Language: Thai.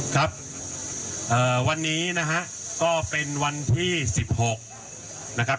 ครับวันนี้นะฮะก็เป็นวันที่๑๖นะครับ